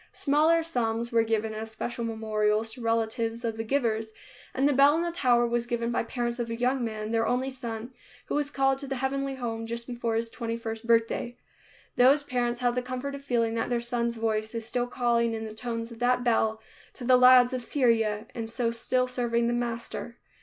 Smaller sums were given as special memorials to relatives of the givers, and the bell in the tower was given by parents of a young man, their only son, who was called to the heavenly home just before his twenty first birthday. Those parents have the comfort of feeling that their son's voice is still calling in the tones of that bell to the lads of Syria, and so still serving the Master.